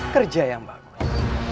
kerja yang bagus